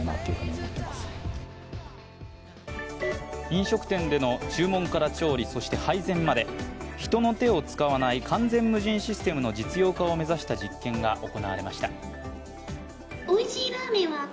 飲食店での注文から調理、そして配膳まで、人の手を使わない完全無人システムの実用化を目指した実験が行われました。